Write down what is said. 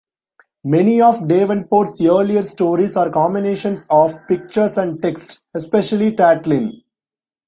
Many of Davenport's earlier stories are combinations of pictures and text, especially Tatlin!